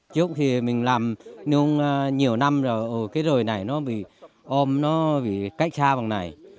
trước khi mình làm nương nhiều năm rồi cái đồi này nó bị ôm nó bị cách xa bằng này